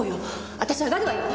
私上がるわよ。